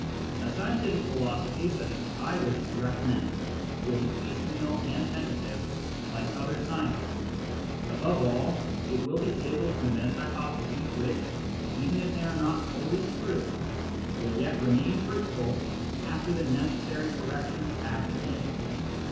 A scientific philosophy such as I wish to recommend will be piecemeal and tentative like other sciences ; above all, it will be able to invent hypotheses which, even if they are not wholly true, will yet remain fruitful after the necessary corrections have been made.